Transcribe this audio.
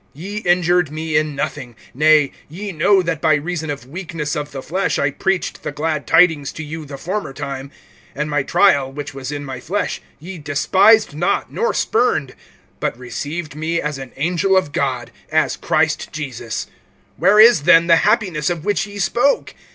Ye injured me in nothing. (13)Nay, ye know that by reason of weakness of the flesh I preached the glad tidings to you the former time; (14)and my trial[4:14], which was in my flesh, ye despised not nor spurned, but received me as an angel of God, as Christ Jesus. (15)Where is[4:15] then the happiness of which ye spoke?